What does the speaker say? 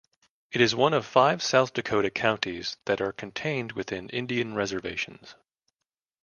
It is one of five South Dakota counties that are contained within Indian reservations.